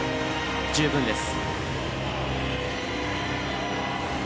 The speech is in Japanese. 十分です。